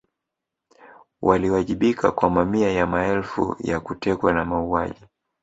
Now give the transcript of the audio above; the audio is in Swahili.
Waliwajibika kwa mamia ya maelfu ya kutekwa na mauaji